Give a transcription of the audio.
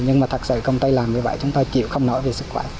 nhưng mà thật sự công tay làm như vậy chúng ta chịu không nổi về sức khỏe